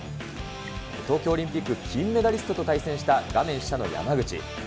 東京オリンピック金メダリストと対戦した画面下の山口。